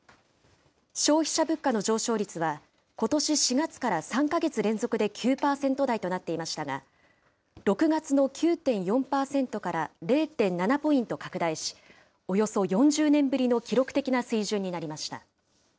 消費者物価の上昇率は、ことし４月から３か月連続で９％台となっていましたが、６月の９．４％から０．７ポイント拡大し、およそ４０年ぶりの記録的な水準になりました。